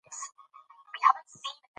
اقتصاد زیان ویني.